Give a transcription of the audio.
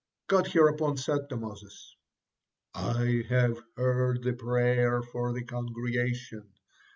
'" God hereupon said to Moses "I have heard the prayer for the congregation.